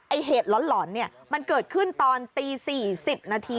เหตุหลอนเนี่ยมันเกิดขึ้นตอนตี๔๐นาที